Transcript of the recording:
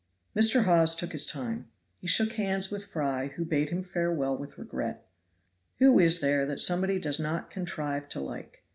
Mr. Hawes took his time. He shook hands with Fry, who bade him farewell with regret. Who is there that somebody does not contrive to like?